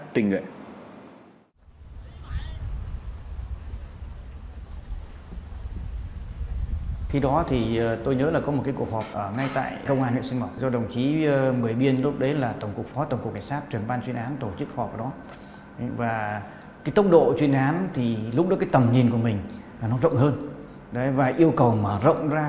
trinh sát tình nguyện